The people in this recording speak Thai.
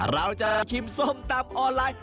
เราจะชิมส้มตำออนไลน์